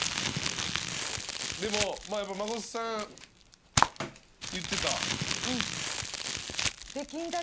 でも真琴さん言ってた。